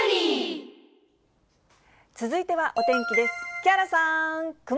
続いてはお天気です。